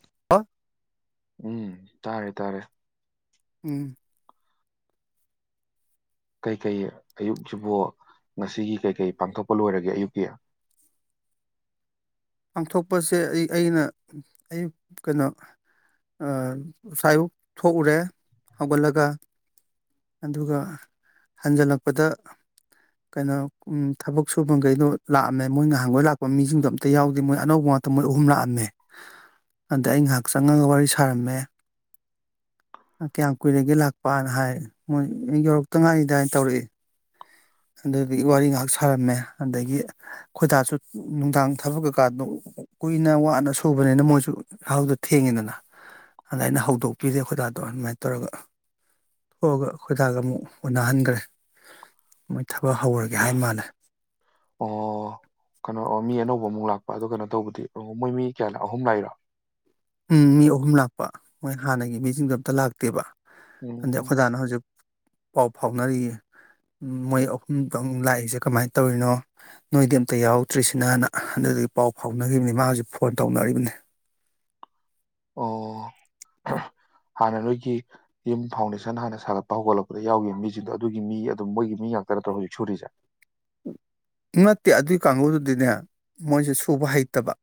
[unintelligible] ꯎꯝ ꯇꯥꯔꯦ ꯇꯥꯔꯦ ꯎꯝ ꯀꯩ ꯀꯩ ꯑꯌꯨꯛꯁꯤꯕꯨ ꯉꯁꯤꯒꯤ ꯀꯩ-ꯀꯩ ꯄꯥꯡꯊꯣꯛꯄ ꯂꯣꯏꯔꯒꯦ ꯑꯌꯨꯛꯀꯤ ꯄꯥꯡꯊꯣꯛꯄꯁꯦ ꯑꯩ ꯑꯩꯅ ꯑꯌꯨꯛ ꯀꯩꯅꯣ ꯑ ꯑꯁꯥꯏꯕꯨꯛ ꯊꯣꯛꯎꯔꯦ ꯍꯧꯒꯠꯂꯒ ꯑꯗꯨꯒ ꯍꯟꯖꯜꯂꯛꯄꯗ ꯀꯩꯅꯣ ꯎꯝ ꯊꯕꯛ ꯁꯨꯕꯒꯩꯗꯣ ꯂꯥꯛꯑꯝꯃꯦ ꯃꯣꯏ ꯉꯍꯥꯡꯒꯣꯏ ꯂꯥꯛꯄ ꯃꯤꯖꯤꯡꯗꯣ ꯑꯇꯩ ꯌꯥꯎꯗꯦ ꯃꯣꯏ ꯑꯅꯧꯕ ꯉꯥꯛꯇ ꯃꯣꯏ ꯑꯍꯨꯝ ꯂꯥꯛꯑꯝꯃꯦ ꯑꯗ ꯑꯩ ꯉꯍꯥꯛ ꯆꯪꯉꯒ ꯋꯥꯔꯤ ꯁꯥꯔꯝꯃꯦ ꯀꯌꯥꯝ ꯀꯨꯏꯔꯒꯦ ꯂꯥꯛꯄꯥꯅ ꯍꯥꯏ ꯃꯣꯏ ꯌꯧꯔꯛꯇ ꯉꯥꯏꯔꯤꯗꯥ ꯇꯧꯔꯛꯑꯦ ꯑꯗꯨꯒꯤ ꯋꯥꯔꯤ ꯉꯍꯥꯛ ꯁꯥꯔꯝꯃꯦ ꯑꯗꯒꯤ ꯈꯣꯏꯗꯥꯖꯨ ꯅꯨꯡꯗꯥꯡ ꯊꯕꯛ ꯀꯩꯀꯥꯗꯣ ꯀꯨꯏꯅ ꯋꯥꯅ ꯁꯨꯔꯨꯕꯅꯤꯅ ꯃꯣꯏꯁꯨ ꯌꯥꯍꯧꯗꯨ ꯊꯦꯡꯉꯤꯗꯅ ꯑꯗ ꯑꯩꯅ ꯍꯧꯗꯣꯛꯄꯤꯔꯦ ꯑꯈꯣꯏꯗꯥꯗꯣ ꯑꯗꯨꯃꯥꯏꯟ ꯇꯧꯔꯒ ꯊꯣꯛꯑꯒ ꯑꯩꯈꯣꯏꯗꯥꯒ ꯑꯃꯨꯛ ꯎꯅꯍꯟꯒ꯭ꯔꯦ ꯃꯣꯏ ꯊꯕꯛ ꯍꯧꯔꯒꯦ ꯍꯥꯏ ꯃꯥꯅꯦ ꯑꯣ ꯀꯩꯅꯣ ꯑꯣ ꯃꯤ ꯑꯅꯧꯕ ꯑꯃꯨꯛ ꯂꯥꯛꯄ ꯑꯗꯣ ꯀꯩꯅꯣ ꯇꯧꯕꯗꯤ ꯎꯝ ꯃꯣꯏ ꯃꯤ ꯀꯌꯥꯅꯣ ꯑꯍꯨꯝ ꯂꯥꯛꯏꯔꯣ ꯎꯝ ꯃꯤ ꯑꯍꯨꯝ ꯂꯥꯛꯄ ꯃꯣꯏ ꯍꯥꯟꯅꯒꯤ ꯃꯤꯖꯤꯡꯗꯣ ꯑꯝꯇꯥ ꯂꯥꯛꯇꯦꯕ ꯑꯗꯩ ꯎꯝ ꯑꯈꯣꯏꯗꯥꯅ ꯍꯧꯖꯤꯛ ꯄꯥꯎ ꯐꯥꯎꯅꯔꯤꯌꯦ ꯎꯝ ꯃꯣꯏ ꯑꯍꯨꯝꯇꯪ ꯂꯥꯛꯏꯖꯦ ꯀꯃꯥꯏꯟ ꯇꯧꯔꯤꯅꯣ ꯅꯣꯏꯗꯤ ꯑꯝꯇꯥ ꯌꯥꯎꯔꯛꯇ꯭ꯔꯤꯁꯤꯅꯥꯅ ꯑꯗꯨꯗꯨꯒꯤ ꯄꯥꯎ ꯐꯥꯎꯅꯒꯤꯝꯅꯤ ꯃꯥ ꯍꯧꯖꯤꯛ ꯐꯣꯟ ꯇꯧꯅꯔꯤꯕꯅꯤ ꯑꯣ ꯍꯥꯟꯅ ꯅꯣꯏꯒꯤ ꯌꯨꯝ ꯐꯥꯎꯟꯗꯦꯁꯟ ꯍꯥꯟꯅ ꯁꯥꯒꯠꯄ ꯍꯧꯒꯠꯂꯛꯄꯗ ꯌꯥꯎꯒꯤꯕ ꯃꯤꯖꯤꯡꯗꯣ ꯑꯗꯨꯒꯤ ꯃꯤ ꯑꯗꯨꯝ ꯃꯣꯏꯒꯤ ꯃꯤ ꯉꯥꯛꯇ ꯅꯠꯇ꯭ꯔꯣ ꯍꯧꯖꯤꯛ ꯁꯨꯔꯤꯁꯦ ꯅꯠꯇꯦ ꯑꯗꯨꯏ ꯀꯥꯡꯒꯨꯗꯨꯗꯤꯅꯦ ꯃꯣꯏꯁꯦ ꯁꯨꯕ ꯍꯩꯇꯕ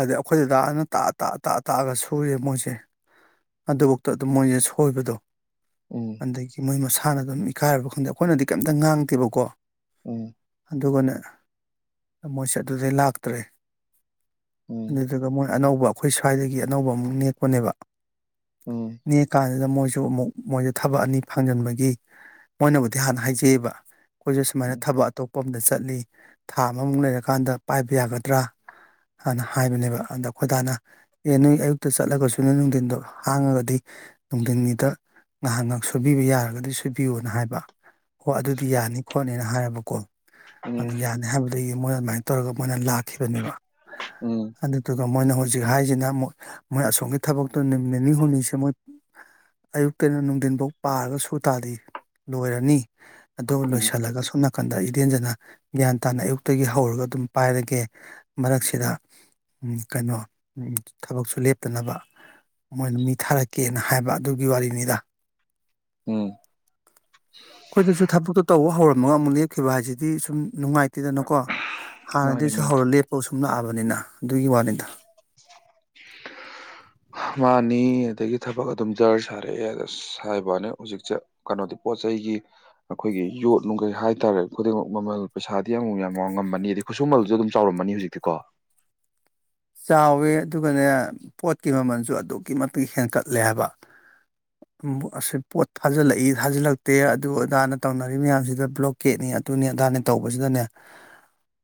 ꯑꯗ ꯑꯩꯈꯣꯏ ꯗꯥꯗꯥꯅ ꯇꯥꯛꯑ ꯇꯥꯛꯑ ꯇꯥꯛꯑ ꯇꯥꯛꯑꯒ ꯁꯨꯔꯤ ꯃꯣꯏꯁꯦ ꯑꯗꯨꯕꯣꯛꯇ ꯑꯗꯨꯝ ꯃꯣꯏꯖꯦ ꯁꯣꯏꯕꯗꯣ ꯎꯝ ꯑꯗꯒꯤ ꯃꯣꯏ ꯃꯁꯥꯅ ꯑꯗꯨꯝ ꯏꯀꯥꯏꯔꯕ ꯈꯪꯗꯦ ꯑꯩꯈꯣꯏꯅꯗꯤ ꯀꯩꯝꯇ ꯉꯥꯡꯗꯦꯕꯀꯣ ꯎꯝ ꯑꯗꯨꯒꯅꯦ ꯃꯣꯏꯁꯦ ꯑꯗꯨꯗꯩ ꯂꯥꯛꯇ꯭ꯔꯦ ꯎꯝ ꯑꯗꯨꯗꯨꯒ ꯃꯣꯏ ꯑꯅꯧꯕ ꯑꯩꯈꯣꯏ ꯁ꯭ꯋꯥꯏꯗꯒꯤ ꯑꯅꯧꯕ ꯑꯃꯨꯛ ꯅꯦꯛꯄꯅꯦꯕꯥ ꯎꯝ ꯅꯦꯛꯑ ꯀꯥꯟꯖꯤꯗ ꯃꯣꯏꯁꯨ ꯑꯃꯨꯛ ꯃꯣꯏꯖꯦ ꯊꯕꯛ ꯑꯅꯤ ꯐꯥꯡꯖꯟꯕꯒꯤ ꯃꯣꯏꯅꯕꯨꯗꯤ ꯍꯥꯟꯅ ꯍꯥꯏꯖꯩꯕ ꯑꯩꯈꯣꯏꯖꯨ ꯁꯨꯃꯥꯏꯅ ꯎꯝ ꯊꯕꯛ ꯑꯇꯣꯞꯄ ꯑꯝꯗ ꯆꯠꯂꯤ ꯊꯥ ꯑꯃꯃꯨꯛ ꯂꯩꯔꯀꯥꯟꯗ ꯄꯥꯏꯕ ꯌꯥꯒꯗ꯭ꯔꯥ ꯍꯥꯟꯅ ꯍꯥꯏꯕꯅꯦꯕ ꯑꯗꯥ ꯑꯩꯈꯣꯏ ꯗꯥꯅ ꯑꯦ ꯅꯣꯏ ꯑꯌꯨꯛꯇ ꯆꯠꯂꯒꯁꯨ ꯅꯣꯏ ꯅꯨꯡꯗꯤꯟꯗꯣ ꯍꯥꯡꯉꯒꯗꯤ ꯅꯨꯡꯗꯤꯟꯒꯤꯗ ꯉꯍꯥꯛ ꯉꯍꯥꯛ ꯁꯨꯕꯤꯕ ꯌꯥꯔꯒꯗꯤ ꯁꯨꯕꯤꯌꯨꯅ ꯍꯥꯏꯕ ꯍꯣ ꯑꯗꯨꯗꯤ ꯌꯥꯅꯤ ꯈꯣꯠꯅꯤꯅ ꯍꯥꯏꯔ ꯕꯀꯣ ꯑꯗꯥ ꯎꯝ ꯌꯥꯅꯤ ꯍꯥꯏꯕꯗꯒꯤ ꯃꯣꯏꯅ ꯑꯗꯨꯃꯥꯏ ꯇꯧꯔꯒ ꯃꯣꯏꯅ ꯂꯥꯛꯈꯤꯕꯅꯦꯕ ꯎꯝ ꯑꯗꯨꯗꯨꯒ ꯃꯣꯏꯅ ꯍꯧꯖꯤꯛ ꯍꯥꯏꯖꯤꯅ ꯑꯃꯨꯛ ꯃꯣꯏ ꯑꯁꯣꯝꯒꯤ ꯊꯕꯛꯇꯣ ꯅꯨꯃꯤꯠ ꯅꯤꯅꯤ ꯍꯨꯝꯅꯤꯁꯦ ꯃꯣꯏ ꯑꯌꯨꯛꯇꯩꯅ ꯅꯨꯡꯗꯤꯟꯕꯧ ꯄꯥꯔꯒ ꯁꯨ ꯇꯥꯔꯗꯤ ꯂꯣꯏꯔꯅꯤ ꯑꯗꯨꯒ ꯎꯝ ꯂꯣꯏꯁꯜꯂꯒ ꯁꯣꯝꯅꯥ ꯀꯟꯗ ꯏꯗꯦꯟꯖꯅ ꯒ꯭ꯌꯥꯟ ꯇꯥꯅ ꯑꯌꯨꯛꯇꯒꯤ ꯍꯧꯔꯒ ꯑꯗꯨꯝ ꯄꯥꯏꯔꯒꯦ ꯃꯔꯛꯁꯤꯗ ꯎꯝ ꯀꯩꯅꯣ ꯎꯝ ꯊꯕꯛꯁꯨ ꯂꯦꯞꯇꯅꯕ ꯃꯣꯏꯅ ꯃꯤ ꯊꯥꯔꯛꯀꯦꯅ ꯍꯥꯏꯕ ꯑꯗꯨꯒꯤ ꯋꯥꯔꯤꯅꯤꯗ ꯎꯝ ꯈꯣꯏꯗꯁꯨ ꯊꯕꯛꯇꯨ ꯇꯧꯕ ꯍꯧꯔꯝꯃꯒ ꯑꯃꯨꯛ ꯂꯦꯞꯈꯤꯕ ꯍꯥꯏꯁꯤꯗꯤ ꯁꯨꯝ ꯅꯨꯡꯉꯥꯏꯇꯦꯗꯅꯀꯣ ꯃꯥꯅꯦ ꯃꯥꯅꯦ ꯍꯥꯟꯅꯗꯩꯁꯨ ꯍꯧꯔ ꯂꯦꯞꯄꯒ ꯁꯨꯝ ꯂꯥꯛꯑꯕꯅꯤꯅꯥ ꯑꯗꯨꯒꯤ ꯋꯥꯅꯤꯗ ꯃꯥꯅꯤ ꯑꯗꯒꯤ ꯊꯕꯛ ꯑꯗꯨꯝ ꯖꯔ ꯁꯥꯔꯛꯑꯦ ꯑꯁ ꯍꯥꯏꯕꯥ ꯋꯥꯅꯤ ꯍꯨꯖꯤꯛꯁꯦ ꯀꯅꯣꯗꯤ ꯄꯣꯠ ꯆꯩꯒꯤ ꯑꯈꯣꯏꯒꯤ ꯌꯣꯠ ꯅꯨꯡꯒꯩ ꯍꯥꯏꯇꯥꯔꯦ ꯈꯨꯗꯤꯡꯃꯛ ꯃꯃꯜ ꯄꯩꯁꯥꯗꯤ ꯑꯃꯨꯛ ꯌꯥꯝ ꯋꯥꯥꯡ ꯉꯝꯃꯅꯤ ꯑꯗꯩ ꯈꯨꯠꯁꯨꯃꯜꯁꯨ ꯑꯗꯨꯝ ꯆꯥꯎꯔꯝꯃꯅꯤ ꯍꯨꯖꯤꯛꯇꯤꯀꯣ ꯆꯥꯎꯋꯤ ꯑꯗꯨꯒꯅꯦ ꯄꯣꯠꯀꯤ ꯃꯃꯜꯁꯨ ꯑꯗꯨꯛꯀꯤ ꯃꯇꯤꯛ ꯍꯦꯟꯀꯠꯂꯦ ꯍꯥꯏꯕ ꯄꯣꯠ ꯊꯥꯖꯤꯜꯂꯛꯏ ꯊꯥꯖꯤꯜꯂꯛꯇꯦ ꯑꯗꯨ ꯑꯗꯥ ꯇꯧꯅꯔꯤꯕ ꯃꯌꯥꯝꯁꯤꯗ ꯕ꯭ꯂꯣꯛ ꯀꯦꯠꯅꯤ ꯑꯗꯨꯅꯤ ꯑꯗꯥꯅꯤ ꯇꯧꯕꯁꯤꯗꯅꯦ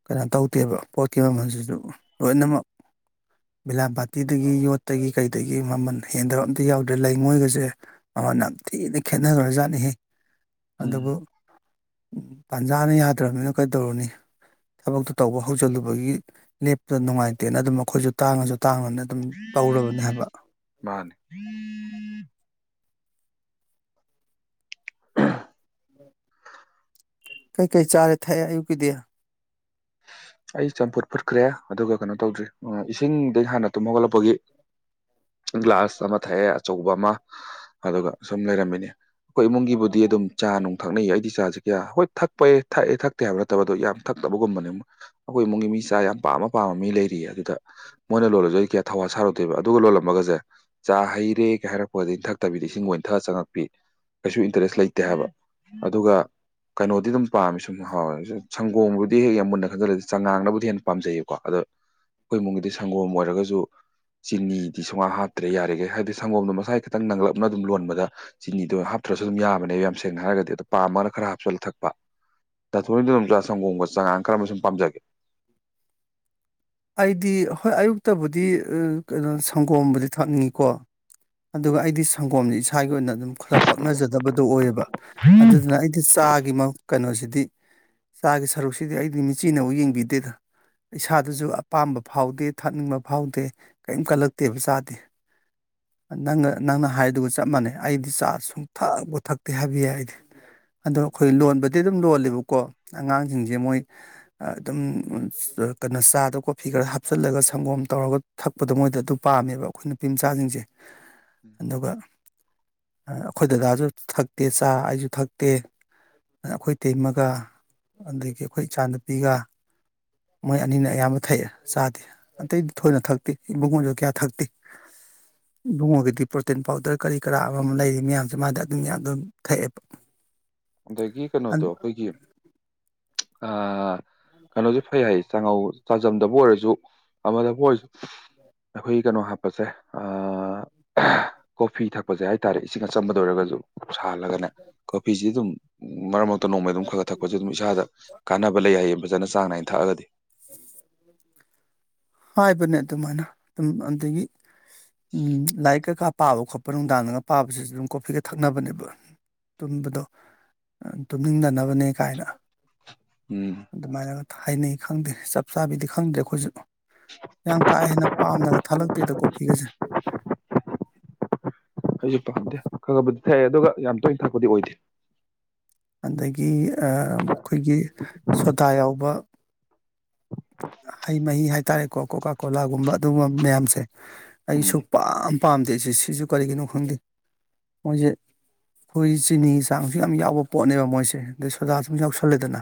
ꯀꯩꯅꯣ ꯇꯧꯗꯦꯕ ꯄꯣꯠꯀꯤ ꯃꯃꯜꯁꯤꯁꯨ ꯂꯣꯏꯅꯃꯛ ꯕꯤꯂꯥꯝ ꯕꯥꯇꯤꯗꯒꯤ ꯌꯣꯠꯇꯒꯤ ꯀꯩꯗꯒꯤ ꯃꯃꯜ ꯍꯦꯟꯗꯕ ꯑꯝꯇ ꯌꯥꯎꯗ꯭ꯔꯦ ꯂꯩꯉꯣꯏꯒꯁꯦ ꯃꯥꯃꯜ ꯌꯥꯝ ꯊꯤꯅ ꯈꯦꯠꯅꯈ꯭ꯔꯖꯥꯠꯅꯤꯍꯦ ꯑꯗꯨꯕꯨ ꯇꯥꯟꯖꯥꯅ ꯌꯥꯗ꯭ꯔꯕꯅꯤꯅ ꯀꯩꯗꯧꯔꯨꯅꯤ ꯊꯕꯛꯇꯨ ꯇꯧꯕ ꯍꯧꯖꯤꯜꯂꯨꯕꯒꯤ ꯂꯦꯞꯇꯅ ꯅꯨꯡꯉꯥꯏ ꯇꯦꯅ ꯑꯗꯨꯝ ꯑꯩꯈꯣꯏꯁꯨ ꯇꯥꯡꯉꯁꯨ ꯇꯥꯡꯉꯅ ꯑꯗꯨꯝ ꯇꯧꯔꯕꯅꯦ ꯍꯥꯏꯕ ꯃꯥꯅꯦ ꯀꯩ ꯀꯩ ꯆꯥꯔꯦ ꯊꯛꯑꯦ ꯑꯌꯨꯛꯀꯤꯗ ꯑꯩ ꯆꯝꯐꯨꯠ ꯐꯨꯠꯈ꯭ꯔꯦ ꯑꯗꯨꯒ ꯀꯩꯅꯣ ꯇꯧꯗ꯭ꯔꯤ ꯑ ꯏꯁꯤꯡꯗꯤ ꯍꯥꯟꯅ ꯇꯨꯝ ꯍꯧꯒꯠꯂꯛꯄꯒꯤ ꯒ꯭ꯂꯥꯁ ꯑꯃ ꯊꯛꯑꯦ ꯑꯆꯧꯕ ꯑꯃ ꯑꯗꯨꯒ ꯁꯨꯝ ꯂꯩꯔꯝꯃꯤꯅꯤ ꯑꯩꯈꯣꯏ ꯏꯃꯨꯡꯒꯤꯕꯨꯗꯤ ꯑꯗꯨꯝ ꯆꯥ ꯅꯨꯡ ꯊꯛꯅꯩ ꯑꯩꯗꯤ ꯆꯥꯥꯁꯦ ꯀꯌꯥ ꯍꯣꯏ ꯊꯛꯄꯦ ꯊꯛꯑꯦ ꯊꯛ ꯊꯛꯇꯦ ꯍꯥꯏꯕ ꯅꯠꯇꯕꯗꯣ ꯌꯥꯝ ꯊꯛꯇꯕꯒꯨꯝꯕꯅꯦ ꯑꯩꯈꯣꯏ ꯏꯃꯨꯡꯒꯤ ꯃꯤ ꯆꯥ ꯌꯥꯝ ꯄꯥꯝꯃ ꯄꯥꯝꯃ ꯃꯤ ꯂꯩꯔꯤꯌꯦ ꯑꯗꯨꯗ ꯃꯣꯏꯅ ꯂꯣꯜꯂꯁꯨ ꯑꯩ ꯀꯌꯥ ꯊꯧ ꯋꯥ ꯁꯥꯔꯨꯗꯦꯕ ꯑꯗꯨꯒ ꯂꯣꯜꯂꯝꯃꯒꯁꯦ ꯆꯥ ꯍꯩꯔꯦ ꯀꯩ ꯍꯥꯏꯔꯛꯄꯗꯒꯤ ꯏꯊꯛꯇꯕꯤꯗ ꯏꯁꯤꯡꯒ ꯏꯊꯛ ꯆꯪꯉꯛꯄꯤ ꯀꯩꯁꯨ ꯏꯟꯇꯔꯦꯁ ꯂꯩꯇꯦ ꯍꯥꯏꯕ ꯑꯗꯨꯒ ꯀꯩꯅꯣꯗꯤ ꯑꯗꯨꯝ ꯄꯥꯝꯃꯦ ꯁꯨꯝ ꯍꯥꯎꯋꯦ ꯁꯪꯒꯣꯝꯕꯨꯗꯤ ꯍꯦꯛ ꯌꯥꯝ ꯃꯨꯟꯅ ꯈꯟꯖꯤꯜꯂꯁꯤ ꯆꯉꯥꯡꯅꯕꯨꯗꯤ ꯍꯦꯟꯅ ꯄꯥꯝꯖꯩꯌꯦꯀꯣ ꯑꯗꯣ ꯑꯩꯈꯣꯏ ꯏꯃꯨꯡꯒꯤꯗꯤ ꯁꯪꯒꯣꯝ ꯑꯣꯏꯔꯒꯁꯨ ꯆꯤꯅꯤ ꯇꯤ ꯁꯨꯍꯥꯞ ꯍꯥꯞꯇ꯭ꯔꯦ ꯌꯥꯔꯤꯈꯩ ꯍꯥꯏꯗꯤ ꯁꯪꯒꯣꯝꯗꯣ ꯃꯁꯥꯏ ꯈꯤꯇꯪ ꯅꯪꯪꯂꯞꯅ ꯑꯗꯨꯝ ꯂꯣꯟꯕꯗ ꯆꯤꯅꯤꯗꯣ ꯍꯥꯞꯇ꯭ꯔꯁꯨ ꯑꯗꯨꯝ ꯌꯥꯕꯅꯦꯕ ꯌꯥꯝ ꯁꯦꯡꯅ ꯍꯥꯏꯔꯒꯗꯤ ꯑꯗꯣ ꯄꯥꯝꯃꯒꯅ ꯈꯔ ꯍꯥꯞꯆꯜꯂ ꯊꯛꯄ ꯗꯥꯊꯣꯢꯗꯨ ꯑꯗꯨꯝ ꯆꯥ ꯁꯪꯒꯣꯝꯒ ꯆꯥꯉꯥꯡ ꯈꯔ ꯀꯔꯝꯕ ꯁꯨꯝ ꯄꯥꯝꯖꯒꯦ [inaudible] ꯑꯩꯗꯤ ꯍꯣꯏ ꯑꯌꯨꯛꯇꯕꯨꯗꯤ [unintelligible] ꯀꯩꯅꯣ ꯁꯪꯒꯣꯝꯕꯨꯗꯤ ꯊꯛꯅꯤꯀꯣ ꯑꯗꯨꯒ ꯑꯩꯗꯤ ꯁꯪꯒꯣꯝꯁꯦ ꯏꯁꯥꯒꯤ ꯑꯣꯏꯅ ꯑꯗꯨꯝ ꯈꯔ ꯄꯛꯅꯖꯗꯕꯗꯣ ꯑꯣꯏꯑꯕ ꯑꯗꯨꯗꯨꯅ ꯑꯩ ꯑꯩꯗꯤ ꯆꯥꯒꯤ ꯀꯩꯅꯣꯁꯤꯗꯤ ꯆꯥꯒꯤ ꯁꯔꯨꯛꯁꯤꯗꯤ ꯑꯩꯗꯤ ꯃꯤꯆꯤꯅꯕꯨꯨꯛ ꯌꯦꯡꯕꯤꯗ ꯗꯦꯗ ꯏꯁꯥꯗꯁꯨ ꯑꯄꯥꯝꯕ ꯐꯥꯎꯗꯦ ꯊꯛꯅꯤꯡꯕ ꯐꯥꯎꯗꯦ ꯀꯔꯤꯝ ꯀꯜꯂꯛꯇꯦꯕ ꯆꯥꯗꯦ ꯅꯪꯅ ꯅꯪꯅ ꯍꯥꯏꯗꯨꯒ ꯆꯞ ꯃꯥꯟꯅꯩ ꯑꯩꯗꯤ ꯆꯥ ꯁꯨꯡ ꯊꯛꯄꯨ ꯊꯛꯇꯦ ꯍꯥꯏꯕ ꯌꯥꯏ ꯑꯩꯗꯤ ꯑꯗꯣ ꯑꯩꯈꯣꯏ ꯂꯣꯟꯕꯗꯤ ꯑꯗꯨꯝ ꯂꯣꯜꯂꯦꯕꯀꯣ ꯑꯉꯥꯡꯁꯤꯡꯁꯦ ꯃꯣꯏ ꯑ ꯑꯗꯨꯝ ꯑꯆ ꯀꯩꯅꯣ ꯆꯥꯗ ꯀꯣꯐꯤ ꯈꯔ ꯍꯥꯞꯆꯤꯜꯂꯒ ꯁꯪꯒꯣꯝ ꯇꯧꯔꯒ ꯊꯛꯄꯗꯣ ꯃꯣꯏꯗ ꯑꯗꯨ ꯄꯥꯝꯃꯦꯕ ꯑꯩꯈꯣꯏ ꯅꯨꯄꯤꯝꯆꯥꯁꯤꯡꯁꯦ ꯑꯗꯨꯒ ꯑ ꯑꯩꯈꯣꯏ ꯗꯗꯥꯁꯨ ꯊꯛꯇꯦ ꯆꯥ ꯑꯩꯁꯨ ꯊꯛꯇꯦ ꯑꯩꯈꯣꯏ ꯇꯩꯩꯃꯒ ꯑꯗꯒꯤ ꯑꯩꯈꯣꯏ ꯏꯆꯥꯅꯨꯄꯤꯒ ꯃꯣꯏ ꯑꯅꯤꯅ ꯑꯌꯥꯝꯕ ꯊꯛꯑꯦ ꯆꯥꯗꯤ ꯑꯇꯩꯗꯤ ꯊꯣꯏꯅ ꯊꯛꯇꯦ ꯏꯕꯨꯡꯉꯣꯁꯨ ꯀꯌꯥ ꯊꯛꯇꯦ ꯏꯕꯨꯡꯉꯣꯒꯤꯗꯤ ꯄ꯭ꯔꯣꯇꯤꯟ ꯄꯥꯎꯗꯔ ꯀꯔꯤ ꯀꯔꯥ ꯑꯃ ꯑꯃ ꯂꯩꯔꯤ ꯃꯌꯥꯝꯁꯦ ꯃꯥꯗ ꯑꯗꯨꯢ ꯃꯌꯥꯝ ꯑꯗꯨꯝ ꯊꯛꯑꯦꯕ [inaudible] ꯑꯗꯒꯤ ꯀꯩꯅꯣꯗꯣ ꯑꯩꯈꯣꯏꯒꯤ ꯑ ꯀꯩꯅꯣꯁꯦ ꯐꯩ ꯍꯥꯏꯌꯦ ꯆꯥꯛꯉꯧ ꯆꯥꯖꯝꯗꯕꯨ ꯑꯣꯏꯔꯁꯨ ꯑꯃꯗꯕꯨ ꯑꯣꯏꯔꯁꯨ ꯑꯩꯈꯣꯏ ꯀꯩꯅꯣ ꯍꯥꯞꯄꯁꯦ ꯀꯣꯐꯤ ꯊꯛꯄꯁꯦ ꯍꯥꯏ ꯇꯔꯦ ꯏꯁꯤꯡ ꯑꯆꯝꯕꯗ ꯑꯣꯏꯔꯒꯁꯨ ꯁꯥꯍꯜꯂꯒꯅꯦ ꯀꯣꯐꯤꯁꯤ ꯑꯗꯨꯝ ꯃꯔꯛ ꯃꯔꯛꯇ ꯅꯣꯡꯃꯩ ꯑꯗꯨꯝ ꯈꯥꯥ ꯈꯥ ꯊꯛꯄꯁꯦ ꯑꯗꯨꯝ ꯏꯁꯥꯗ ꯀꯥꯟꯅꯕ ꯂꯩ ꯍꯥꯏꯌꯦ ꯐꯖꯅ ꯆꯥꯡ ꯅꯥꯏꯅ ꯊꯛꯑꯒꯗꯤ ꯍꯥꯏꯕꯅꯦ ꯑꯗꯨꯃꯥꯏꯅ ꯑꯗꯨꯝ ꯑꯗꯒꯤ ꯎꯝ ꯂꯥꯏꯔꯤꯛ ꯀꯩꯀꯥ ꯄꯥꯕ ꯈꯣꯠꯄ ꯅꯨꯡꯗꯥꯡꯗꯒ ꯄꯥꯕꯁꯤꯁꯨ ꯑꯗꯨꯝ ꯀꯣꯐꯤꯒ ꯊꯛꯅꯕꯅꯦꯕ ꯇꯨꯝꯕꯗꯣ ꯇꯨꯝꯅꯤꯡꯗꯅꯕꯅꯦ ꯀꯥꯏꯅ ꯎꯝ ꯑꯗꯨꯃꯥꯏꯅꯒ ꯍꯥꯏꯅꯩ ꯈꯪꯗꯦ ꯆꯞ ꯆꯥꯕꯤꯗꯤ ꯈꯪꯗ꯭ꯔꯦ ꯑꯩꯈꯣꯏꯁꯨ ꯌꯥꯝ ꯀꯥ ꯍꯦꯟꯅ ꯄꯥꯝꯅꯒ ꯊꯥꯂꯛꯇꯦꯗ ꯀꯣꯐꯤꯒꯁꯦ ꯑꯩꯁꯨ ꯄꯥꯝꯗꯦ ꯈꯥꯈꯥꯕꯨ ꯊꯛꯑꯦ ꯑꯗꯨꯒ ꯌꯥꯝ ꯇꯣꯏꯅ ꯊꯛꯄꯗꯤ ꯑꯣꯏꯗꯦ ꯑꯗꯒꯤ ꯑꯩꯈꯣꯏꯒꯤ ꯁꯣꯗꯥ ꯌꯥꯎꯕ ꯍꯩ ꯃꯍꯤ ꯍꯥꯏꯇꯥꯔꯦꯀꯣ ꯀꯣꯀꯥ ꯀꯣꯂꯥꯒꯨꯝꯕ ꯑꯗꯨꯒꯨꯝꯕ ꯃꯌꯥꯝꯁꯦ ꯑꯩ ꯎꯝ ꯁꯨꯛ ꯄꯥꯝ ꯄꯥꯝꯗꯦꯁꯦ ꯁꯤꯁꯨ ꯀꯔꯤꯒꯤꯅꯣ ꯈꯪꯗꯦ ꯃꯣꯏꯁꯦ ꯈꯣꯏꯍꯤ ꯆꯤꯅꯤ ꯆꯥꯡꯁꯨ ꯌꯥꯝ ꯌꯥꯎꯕ ꯄꯣꯠꯅꯦꯕ ꯃꯣꯏꯁꯦ ꯗꯩ ꯁꯣꯗꯥꯁꯨ ꯌꯥꯎꯁꯜꯂꯦꯗꯅ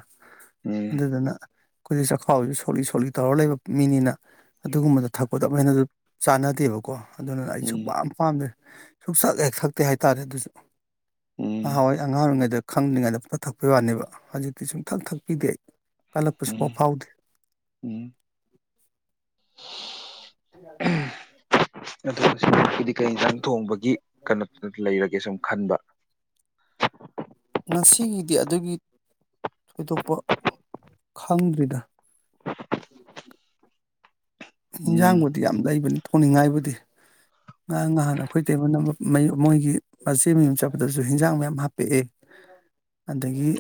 ꯎꯝ ꯑꯗꯨꯗꯨꯅ ꯑꯩꯈꯣꯏꯗ ꯆꯈꯥꯎꯁꯨ ꯁꯣꯛ ꯂꯤꯛ ꯇꯧꯔ ꯂꯩꯕ ꯃꯤꯅꯤꯅ ꯑꯗꯨꯒꯨꯝꯕꯗ ꯊꯛꯄꯗ ꯑꯃꯨꯛ ꯍꯦꯅꯁꯨ ꯆꯥꯟꯅꯗꯦꯕꯀꯣ ꯑꯗꯨꯅ ꯑꯩ ꯁꯨꯛ ꯎꯝ ꯄꯝ ꯄꯥꯝꯗꯦ ꯁꯨꯛꯊꯛ ꯍꯦꯛ ꯊꯛꯇꯦ ꯍꯥꯏꯇꯥꯔꯦ ꯑꯗꯨꯁꯨ ꯎꯝ ꯉꯍꯥ ꯋꯥꯏ ꯑꯉꯥꯡ ꯑꯣꯏꯔꯤꯉꯩꯗ ꯈꯪꯗꯤꯉꯩꯗ ꯄꯨꯡ ꯊꯛꯄꯩ ꯋꯥꯅꯦꯕ ꯍꯧꯖꯤꯛꯇꯤ ꯁꯨꯡꯊꯪ ꯊꯛꯄꯤꯗꯦ ꯑꯩ ꯀꯥꯜꯂꯛꯄ ꯁꯨ ꯎꯝ ꯄꯥꯎ ꯐꯥꯎꯗꯦ ꯎꯝ [inaudible] ꯑ ꯁꯤꯗꯤ ꯀꯩ ꯏꯪ ꯖꯟ ꯊꯣꯡꯕꯒꯤ ꯀꯩꯅꯣ ꯂꯩꯔꯒꯦ ꯁꯨꯝ ꯈꯟꯕ ꯉꯁꯤꯒꯤꯗꯤ ꯑꯗꯨꯒꯤ ꯊꯣꯏꯗꯣꯛꯄ ꯈꯪꯗ꯭ꯔꯤꯗ ꯎꯝ ꯏꯟꯖꯥꯡꯕꯨꯗꯤ ꯌꯥꯝ ꯂꯩꯕꯅꯤ ꯊꯣꯡꯅꯤꯡꯉꯥꯏꯕꯨꯗꯤ ꯉꯥꯌꯥꯡ ꯉꯍꯥꯟ ꯑꯩꯈꯣꯏ ꯇꯦꯕꯜ ꯅꯝꯕ ꯃꯣꯏꯒꯤ ꯃꯆꯦ ꯃꯌꯨꯝ ꯆꯠꯄꯗꯁꯨ ꯍꯤꯟꯖꯥꯡ ꯃꯌꯥꯝ ꯍꯥꯞꯄꯛꯑꯦ ꯑꯗꯒꯤ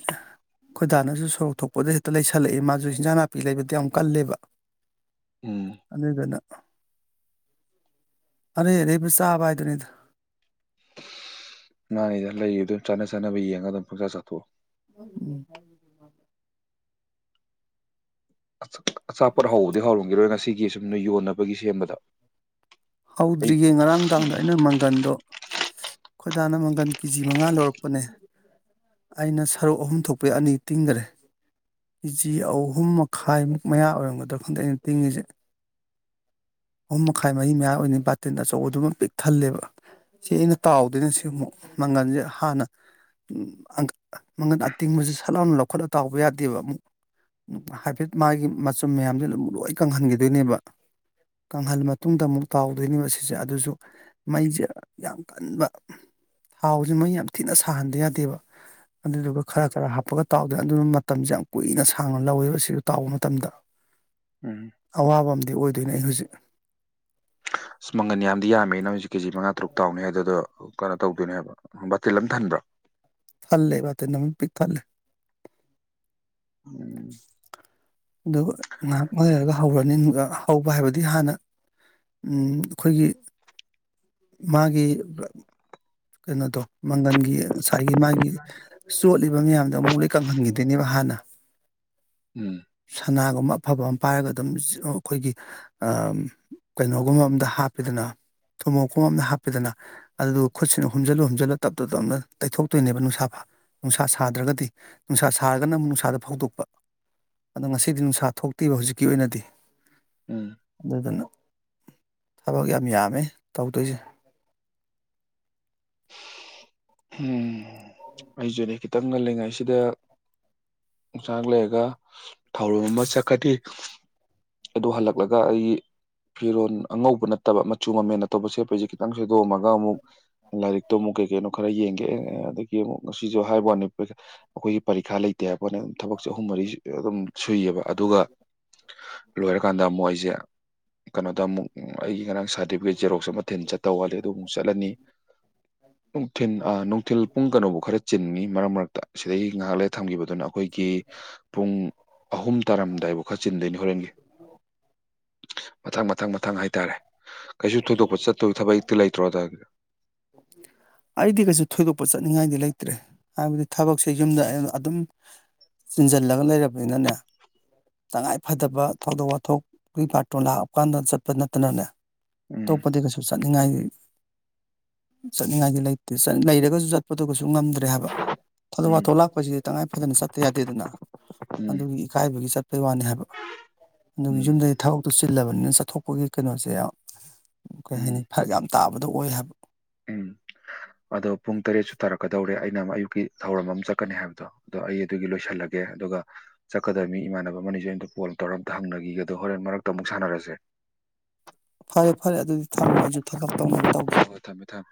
ꯈꯣꯏꯗꯥꯅꯁꯨ ꯁꯣꯔꯣꯛ ꯊꯣꯛꯄꯗ ꯍꯦꯛꯇ ꯂꯩꯁꯜꯂꯛꯏꯦ ꯃꯥꯁꯨ ꯍꯤꯟꯖꯥꯡ ꯅꯥꯄꯤ ꯂꯩꯕꯗ ꯌꯥꯝ ꯀꯜꯂꯦꯕ ꯎꯝ ꯑꯗꯨꯗꯨꯅ ꯑꯔꯩ ꯑꯔꯩꯕ ꯆꯥꯕ ꯍꯥꯏꯗꯨꯅꯤꯗ ꯃꯥꯅꯤꯗ ꯂꯩꯌꯦꯗꯨ ꯆꯥꯅ ꯆꯥꯅꯕ ꯌꯦꯡꯉꯒ ꯑꯗꯨꯝ ꯄꯪꯆꯥ ꯆꯥꯊꯣꯛꯑꯣ ꯎꯝ ꯑꯆꯥꯄꯣꯠ ꯍꯧꯕꯗꯤ ꯍꯧꯔꯝꯈꯤꯔꯣꯏ ꯉꯁꯤꯒꯤ ꯑꯁꯨꯝꯅ ꯌꯣꯟꯅꯕꯒꯤ ꯁꯦꯝꯕꯗ ꯑꯌꯨꯛ ꯍꯧꯗ꯭ꯔꯤꯌꯦ ꯉꯔꯥꯡꯗꯥꯥꯡꯗ ꯑꯩꯅ ꯃꯪꯒꯟꯗꯣ ꯈꯣꯏꯗꯥꯅ ꯃꯪꯒꯟ ꯀꯦꯖꯤ ꯃꯉꯥ ꯂꯧꯔꯛꯄꯅꯦ ꯑꯩꯅ ꯁꯔꯨꯛ ꯑꯍꯨꯝ ꯊꯣꯛꯄꯩ ꯑꯅꯤ ꯇꯤꯡꯈꯔꯦ ꯀꯦꯖꯤ ꯑꯍꯨꯝ ꯃꯈꯥꯏꯃꯨꯛ ꯃꯌꯥ ꯑꯣꯏꯔꯝꯒꯗ꯭ꯔꯥ ꯈꯟꯗ ꯑꯩꯅ ꯇꯤꯡꯉꯤꯁꯦ ꯍꯨꯝ ꯃꯈꯥꯏ ꯃꯔꯤ ꯃꯌꯥ ꯑꯣꯏꯅꯤ ꯕꯥꯇꯤꯟ ꯑꯆꯧꯕꯗꯨꯃ ꯄꯤꯛ ꯊꯜꯂꯦꯕ ꯆꯦꯡꯅ ꯇꯥꯎꯗꯣꯏꯅꯦ ꯁꯤ ꯑꯃꯨꯛ ꯃꯪꯒꯜꯁꯦ ꯍꯥꯟꯅ ꯃꯪꯒꯟ ꯑꯇꯤꯡꯕꯁꯤ ꯁꯠ ꯂꯥꯎꯅ ꯂꯧꯈꯠꯂ ꯇꯥꯎꯕ ꯌꯥꯗꯦꯕ ꯑꯃꯨꯛ ꯍꯥꯏꯐꯦꯠ ꯃꯥꯒꯤ ꯃꯆꯨꯝ ꯃꯌꯥꯝꯁꯦ ꯗꯨꯝ ꯂꯣꯏ ꯀꯪꯍꯟꯈꯤꯗꯣꯏꯅꯦꯕ ꯀꯪꯍꯜ ꯃꯇꯨꯡꯗ ꯑꯃꯨꯛ ꯇꯎꯗꯣꯏꯅꯦꯕ ꯁꯤꯁꯦ ꯑꯗꯨꯁꯨ ꯃꯩꯁꯦ ꯌꯥꯝ ꯀꯟꯕ ꯍꯥꯎꯁꯤ ꯃꯩ ꯌꯥꯝ ꯊꯤꯅ ꯁꯥꯍꯟꯗꯕ ꯌꯥꯗꯦꯕ ꯑꯗꯨꯗꯨꯒ ꯈꯔ ꯈꯔ ꯍꯥꯞꯄꯒ ꯇꯥꯎꯗꯥ ꯑꯗꯨꯅ ꯃꯇꯝꯁꯦ ꯌꯥꯝ ꯀꯨꯏꯅ ꯁꯥꯡꯅ ꯂꯧꯋꯦꯕ ꯁꯤ ꯇꯥꯎꯕ ꯃꯇꯝꯗ [inaudible] ꯎꯝ ꯑꯋꯥꯕ ꯑꯝꯗꯤ ꯑꯣꯏꯗꯣꯏꯅꯦ ꯑꯩ ꯍꯨꯖꯤꯛ ꯑꯁ ꯃꯪꯒꯟ ꯌꯥꯝꯗꯤ ꯌꯥꯝꯃꯦ ꯅ ꯍꯨꯖꯤꯛ ꯀꯦꯖꯤ ꯃꯉꯥ ꯇꯔꯨꯛ ꯇꯥꯎꯅꯦ ꯑꯗꯨꯗ‌ꯣ ꯀꯅꯣ ꯇꯧꯗꯣꯏꯅꯦ ꯕꯥꯇꯤꯜ ꯑꯝ ꯊꯟꯕ꯭ꯔꯣ ꯊꯜꯂꯦ ꯕꯇꯤꯟ ꯑꯃꯥ ꯄꯤꯛ ꯊꯟꯅꯥ [unintelligible] ꯗꯨꯒ ꯉꯍꯥꯛ ꯉꯥꯏꯔꯒ ꯍꯧꯔꯅꯤ ꯍꯧꯕ ꯍꯥꯏꯕꯗꯤ ꯍꯥꯟꯅ ꯎꯝ ꯑꯈꯣꯏꯒꯤ ꯃꯥꯒꯤ ꯀꯩꯅꯣꯗꯣ ꯃꯪꯒꯟꯒꯤ ꯉꯁꯥꯏꯒꯤ ꯃꯥꯒꯤ ꯆꯣꯠꯂꯤꯕ ꯃꯌꯥꯝꯗꯣ ꯑꯃꯨꯛ ꯂꯣꯏ ꯀꯪꯍꯟꯒꯤ ꯗꯣꯏꯅꯦꯕ ꯍꯥꯟꯅ ꯎꯝ ꯁꯅꯥꯒꯨꯝꯕ ꯑꯐꯕ ꯑꯝ ꯄꯥꯏꯔꯒ ꯑꯗꯨꯝ ꯑꯈꯣꯏꯒꯤ ꯑꯝ ꯀꯩꯅꯣꯒꯨꯝꯕ ꯑꯝꯗ ꯍꯥꯞꯄ‌ꯦꯗꯅ ꯊꯨꯃꯣꯛꯀꯨꯝꯕ ꯑꯝꯗ ꯍꯥꯞꯄ‌ꯦꯗꯅ ꯑꯗꯨ ꯈꯨꯠꯁꯤꯅ ꯍꯨꯝꯖꯜꯂ ꯍꯨꯝꯖꯜꯂ ꯇꯞ ꯇꯞ ꯇꯞꯅ ꯇꯩꯊꯣꯛꯇꯣꯏꯅꯦꯕ ꯅꯨꯁꯥ ꯐ ꯅꯨꯁꯥ ꯁꯗ꯭ꯔꯒꯗꯤ ꯅꯨꯁꯥ ꯁꯔꯒꯅ ꯑꯃꯨꯛ ꯅꯨꯁꯥꯗ ꯐꯧꯗꯣꯛꯄ ꯑꯗꯥ ꯉꯁꯤꯗꯤ ꯅꯨꯡꯁꯥ ꯊꯣꯛꯇꯦꯕ ꯍꯨꯖꯤꯛꯀꯤ ꯑꯣꯏꯅꯗꯤ ꯎꯝ ꯑꯗꯨꯅ ꯊꯕꯛ ꯌꯥꯝ ꯌꯥꯝꯃꯦ ꯇꯧꯗꯣꯏꯖ‌ꯦ ꯎꯝ ꯑꯩꯖꯨꯅꯦ ꯈꯤꯇꯪ ꯉꯜꯂꯤ ꯉꯩꯁꯤꯗ ꯎꯆꯥꯛ ꯂꯩꯔꯒ ꯊꯧꯔꯝ ꯃꯥ ꯆꯠꯀꯅꯤ ꯑꯗꯨ ꯍꯂꯛꯂꯒ ꯑꯩ ꯐꯤꯔꯣꯟ ꯑꯉꯧꯕ ꯅꯠꯇꯕ ꯃꯆꯨ ꯃꯃꯦꯟ ꯑꯇ‌ꯣꯞꯄ ꯁꯦꯠꯄꯖ‌ꯦ ꯇꯪ ꯁꯨꯗꯣꯑꯝꯃꯒ ꯑꯃꯨꯛ ꯂꯥꯏꯔꯤꯛꯇꯣ ꯃꯨꯛ ꯀꯩ ꯀꯩꯅꯣ ꯈꯔ ꯌꯦꯡꯒꯦ ꯑꯗꯒꯤ ꯑꯃꯨꯛ ꯉꯁꯤꯁꯨ ꯍꯥꯏꯕ ꯋꯥꯅꯤ [unintelligible] ꯑꯈꯣꯏꯒꯤ ꯄꯔꯤꯈꯥ ꯂꯩ ꯇ‌ꯦ ꯍꯥꯏꯕꯋꯅꯤ ꯊꯕꯛꯁꯦ ꯑꯍꯨꯝ ꯃꯔꯤ ꯑꯗꯨꯝ ꯁꯨꯏꯌ‌ꯦꯕ ꯑꯗꯨꯒ ꯂꯣꯏꯔꯀꯥꯟꯗ ꯑꯃꯨꯛ ꯑꯩꯖ‌ꯦ ꯀꯅꯣꯗ ꯑꯃꯨꯛ ꯑꯩꯒꯤ ꯉꯔꯥꯡ ꯁꯥꯗꯤꯕꯤ ꯖꯦꯔꯣꯛꯁ ꯑꯃꯥ ꯃꯊꯤꯟ ꯆꯠꯇꯧ ꯋꯥꯠꯂꯤ ꯑꯗꯨ ꯃꯨꯛ ꯆꯠꯂꯅꯤ ꯅꯨꯡꯊꯤꯟ ꯑꯥ ꯅꯨꯡꯊꯤꯜ ꯄꯨꯡ ꯀꯅꯣꯕ‌ꯣꯛ ꯈꯔ ꯆꯤꯟꯉꯤ ꯃꯔꯛ ꯃꯔꯛꯇ ꯁꯤꯗꯩ ꯉꯍꯥꯛ ꯂꯩꯔ ꯊꯝꯒꯤꯕꯗꯨꯅ ꯑꯈꯣꯏꯒꯤ ꯄꯨꯡ ꯑꯍꯨꯝ ꯇꯔꯝꯗꯥꯏꯕꯨ ꯈ ꯆꯤꯟꯗꯣꯏꯅ‌ꯦ ꯍꯣꯔꯦꯟꯒꯤ [inaudible] ꯃꯊꯪ ꯃꯊꯪ ꯃꯊꯪ ꯍꯥꯏꯇꯥꯔꯦ ꯀꯩꯁꯨ ꯊꯣꯏꯗꯣꯛꯄ ꯆꯠꯇꯣꯏ ꯊꯕꯛꯇꯤ ꯂꯩꯇ꯭ꯔꯣ ꯅ‌ꯪ [inaudible] ꯑꯩꯗꯤ ꯀꯩꯁꯨ ꯊꯣꯏꯗꯣꯛꯄ ꯆꯠꯅꯤꯡꯉꯥꯏꯗꯤ ꯂꯩꯇ꯭ꯔꯦ ꯍꯥꯏꯕꯗꯤ ꯊꯕꯛꯁꯦ ꯌꯨꯝꯗ ꯑꯩꯅ ꯑꯗꯨꯝ ꯆꯤꯟꯖꯜꯂꯒ ꯂꯩꯔꯕꯅꯤꯅꯅꯦ ꯇꯉꯥꯏ ꯐꯗꯕ ꯊꯧꯗꯣꯛ ꯋꯥꯊꯣꯛꯀꯤ ꯕꯥꯔꯇꯣꯟ ꯂꯥꯛꯑꯞ ꯀꯥꯟꯗ ꯆꯠꯄ ꯅꯠꯇꯅꯅꯦ ꯎꯝ ꯇꯣꯞꯄꯗꯤ ꯀꯁꯨ ꯖꯨ ꯆꯠꯅꯤꯉꯥꯏꯗꯤ ꯆꯠꯅꯤꯉꯥꯏꯗꯤ ꯂꯩꯇ‌ꯦ ꯆꯠ ꯂꯩꯔꯒꯖꯨ ꯆꯠꯄꯗ‌ꯣ ꯀꯁꯨ ꯉꯝ ꯗꯔ‌ꯦ ꯍꯥꯏꯕ ꯊꯥꯗꯣꯛ ꯎꯝ ꯋꯥꯊꯣꯛ ꯂꯥꯛꯄꯁꯤꯗꯤ ꯇꯉꯥꯏ ꯐꯗꯅ ꯆꯠꯇ ꯌꯥꯗꯦꯗꯅ ꯎꯝ ꯑꯗꯨꯒꯤꯅꯤ ꯀꯥꯏꯕꯒꯤ ꯆꯠꯄꯩ ꯋꯥꯅ‌ꯦ ꯍꯥꯏꯕ ꯑꯗꯨ ꯎꯝ ꯌꯨꯝꯗꯩ ꯊꯕꯛꯇꯨ ꯆꯤꯜꯂꯕꯅꯤꯅ ꯆꯊꯣꯛꯄꯒꯤ ꯀꯩꯅꯣꯁꯦ ꯀꯩ ꯎꯝ ꯍꯥꯏꯅꯤ ꯐꯔꯛ ꯌꯥꯝ ꯇꯥꯕꯗ‌ꯣ ꯑꯣꯏ ꯍꯥꯏꯕ ꯎꯝ ꯑꯗꯣ ꯄꯨꯡ ꯇꯔꯦꯠꯁꯨ ꯇꯥꯔꯛꯀꯗꯧꯔꯦ ꯑꯩꯅ ꯑꯃꯥ ꯑꯌꯨꯛꯀꯤ ꯊꯧꯔꯝ ꯑꯝ ꯆꯠꯀꯅ‌ꯦ ꯍꯥꯏꯕꯗꯣ ꯗꯣ ꯑꯩ ꯑꯗꯨꯒꯤ ꯂꯣꯏꯁꯜꯂꯒꯦ ꯑꯗꯨꯒ ꯆꯠꯀꯗ ꯃꯤ ꯏꯃꯥꯟꯅꯕ ꯑꯃꯥꯅꯤ ꯖꯨ ꯑꯩ ꯑꯝ ꯇ ꯀ‌ꯣꯜ ꯇꯧꯔ ꯑꯝꯇ ꯍꯪꯅꯒꯤꯒꯗꯣ ꯍꯣꯔꯦꯟ ꯃꯔꯛꯇ ꯃꯨꯛ ꯁꯥꯅꯔꯖ‌ꯦ ꯐꯔꯦ ꯐꯔꯦ ꯑꯗꯨꯗꯤ ꯊꯝꯃꯣ ꯑꯩꯖꯨ ꯊꯕꯛ ꯇꯧꯅꯕ ꯇꯧꯒꯦ ꯊꯝ